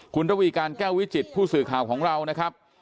คุณระวีการแก้ววิจิตผู้สื่อข่าวของเรานะครับ